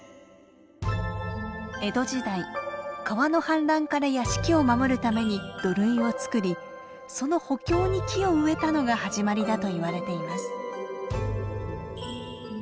江戸時代川の氾濫から屋敷を守るために土塁をつくりその補強に木を植えたのが始まりだといわれています。